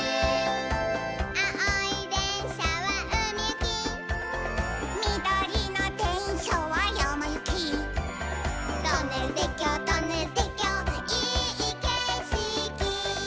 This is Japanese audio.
「あおいでんしゃはうみゆき」「みどりのでんしゃはやまゆき」「トンネルてっきょうトンネルてっきょういいけしき」